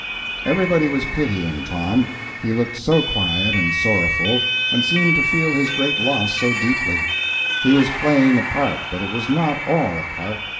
Everybody was pitying Tom, he looked so quiet and sorrowful, and seemed to feel his great loss so deeply. He was playing a part, but it was not all a part.